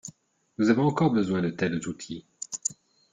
Nous avons encore besoin de tels outils.